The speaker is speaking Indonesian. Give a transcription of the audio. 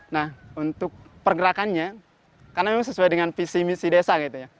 nah untuk pergerakannya karena memang sesuai dengan visi visi desa